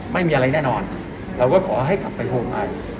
ไม่มีอะไรแน่นอนเราก็ขอให้กลับไปโฮมไอ